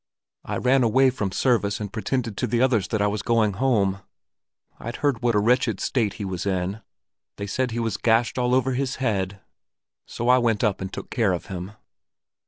"I ran away from service, and pretended to the others that I was going home. I'd heard what a wretched state he was in. They said he was gashed all over his head. So I went up and took care of him."